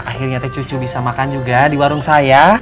akhirnya teh cucu bisa makan juga di warung saya